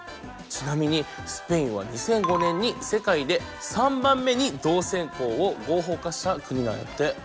ちなみにスペインは２００５年に世界で３番目に同性婚を合法化した国なんやって。